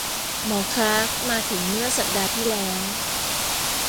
หมอคลาร์กมาถึงเมื่อสัปดาห์ที่แล้ว